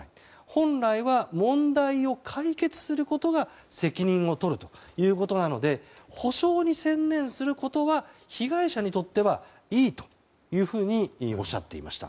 本来は問題を解決することが責任を取るということなので補償に専念することは被害者にとってはいいとおっしゃっていました。